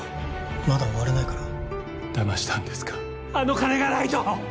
まだ終われないからだましたんですかあの金がないと